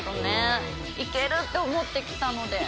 行ける！って思って来たので。